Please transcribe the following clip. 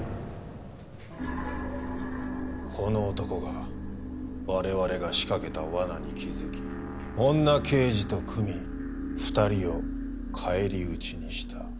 この男が我々が仕掛けた罠に気づき女刑事と組み２人を返り討ちにした。